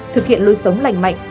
thực hiện lưu sống lành mạnh